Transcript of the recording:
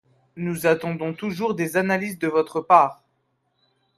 Nous attendons toujours des analyses de votre part